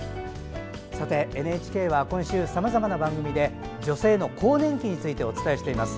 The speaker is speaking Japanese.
ＮＨＫは今週さまざまな番組で女性の更年期についてお伝えしています。